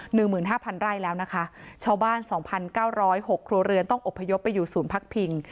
หนึ่งหมื่นห้าพันไร่แล้วนะคะชาวบ้านสองพันเก้าร้อยหกครัวเรือนต้องอบพยพไปอยู่ศูนย์พักพิง